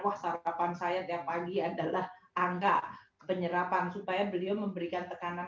wah sarapan saya tiap pagi adalah angka penyerapan supaya beliau memberikan tekanan